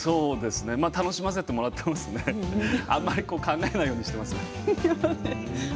楽しませていただいていますしあまり考えないようにしています。